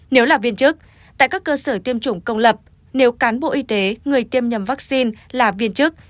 nếu là viên chức tại các cơ sở tiêm chủng công lập nếu cán bộ y tế người tiêm nhầm vaccine là viên chức